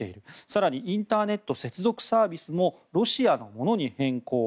更にインターネット接続サービスもロシアのものに変更。